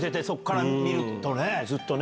そっから見るとね。